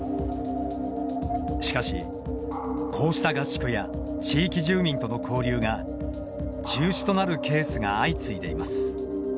しかし、こうした合宿や地域住民との交流が中止となるケースが相次いでいます。